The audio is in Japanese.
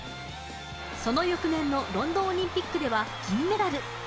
その翌年のロンドンオリンピックでは銀メダル。